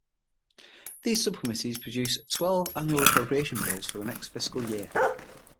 These subcommittees produce twelve annual appropriation bills for the next fiscal year.